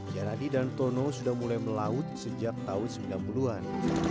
janadi dan tono sudah mulai melaut sejak tahun sembilan puluh an